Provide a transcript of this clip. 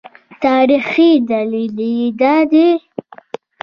تاریخي دلیل یې دا دی.